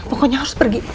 pokoknya harus pergi